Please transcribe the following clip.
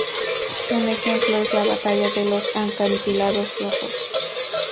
Un ejemplo es la batalla de los Acantilados Rojos.